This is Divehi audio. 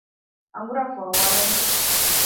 އަނބުރާ ފޮނުވާލަނީ؟